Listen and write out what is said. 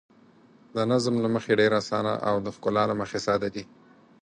د نظم له مخې ډېر اسانه او د ښکلا له مخې ساده دي.